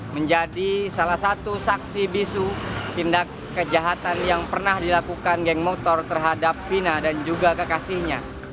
menjadi salah satu saksi bisu tindak kejahatan yang pernah dilakukan geng motor terhadap vina dan juga kekasihnya